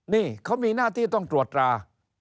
นี่เขามีหน้าที่ต้องตรวจตรา